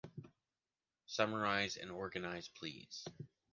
Summarize and organize, please.